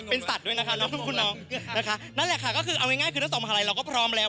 เป็นสัตว์ด้วยนะคะนั่นแหละค่ะก็คือเอาง่ายคือนักศึกษามหาลัยเราก็พร้อมแล้ว